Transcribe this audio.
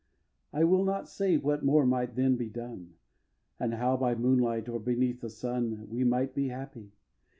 iv. I will not say what more might then be done, And how, by moonlight or beneath the sun, We might be happy.